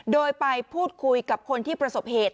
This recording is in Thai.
โดยไปพูดคุยกับคนที่ประสบเหตุ